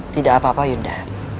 tidak apa apa yunda